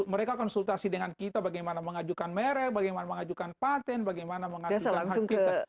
mereka konsultasi dengan kita bagaimana mengajukan merek bagaimana mengajukan patent bagaimana mengajukan hak kita